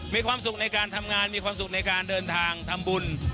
มีความสุขในการทำงานมีความสุขในการเดินทางทำบุญ